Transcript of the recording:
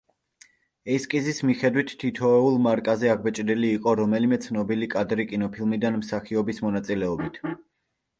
ესკიზის მიხედვით, თითოეულ მარკაზე აღბეჭდილი იყო რომელიმე ცნობილი კადრი კინოფილმიდან მსახიობის მონაწილეობით.